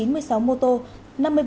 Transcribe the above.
sáu chín mươi sáu vụ tai nạn